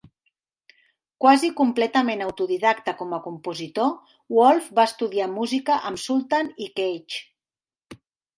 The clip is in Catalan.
Quasi completament autodidacta com a compositor, Wolff va estudiar música amb Sultan i Cage.